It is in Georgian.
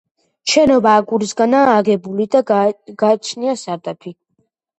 შენობა აგურისგანაა აგებული და გააჩნია სარდაფი.